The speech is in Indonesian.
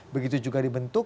begitu juga dibentuk